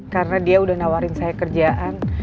karena dia udah nawarin saya kerjaan